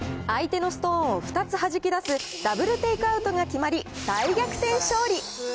相手のストーンを２つ弾き出すダブルテイクアウトが決まり、大逆転勝利。